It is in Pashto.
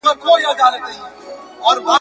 خوار په هندوستان هم خوار وي `